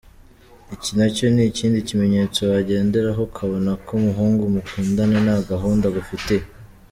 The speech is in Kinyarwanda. Iki nacyo ni ikindi kimenyetso wagenderaho ukabona ko umuhungu mukundana nta gahunda agufitiye.